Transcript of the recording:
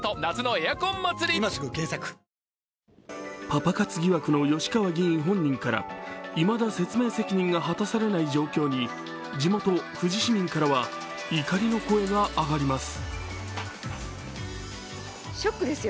パパ活疑惑の吉川議員本人からいまだ説明責任が果たされない状況に地元・富士市民からは怒りの声が上がります。